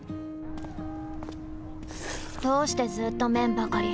どうしてずーっと麺ばかり！